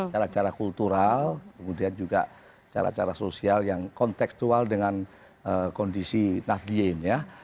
cara cara kultural kemudian juga cara cara sosial yang konteksual dengan kondisi nahdien ya